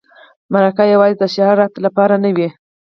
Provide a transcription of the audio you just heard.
مرکه یوازې د شهرت لپاره نه وي.